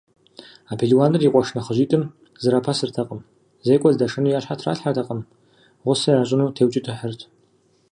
А пелуаныр и къуэш нэхъыжьитӏым зэрапэсыртэкъым: зекӏуэ здашэну я щхьэ тралъхьэртэкъым, гъусэ ящӏыну теукӏытыхьырт.